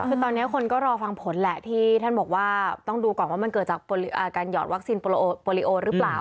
คือตอนนี้คนก็รอฟังผลแหละที่ท่านบอกว่าต้องดูก่อนว่ามันเกิดจากการหยอดวัคซีนโปรลิโอหรือเปล่า